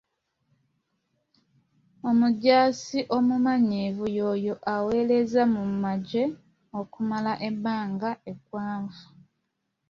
Omujaasi omumanyirivu y'oyo aweerezza mu magye okumala ebbanga eggwanvu.